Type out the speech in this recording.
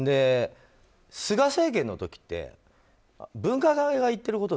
菅政権の時って分科会が言ってることと